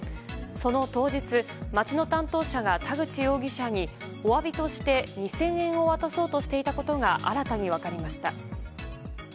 その当日町の担当者が田口容疑者にお詫びとして、２０００円を渡そうとしていたことが新たに分かりました。